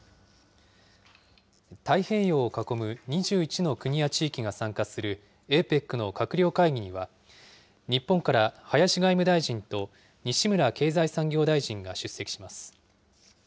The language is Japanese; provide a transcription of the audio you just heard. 太平洋を囲む２１の国や地域が参加するＡＰＥＣの閣僚会議には、日本から林外務大臣と西村経済産業大臣が出席します。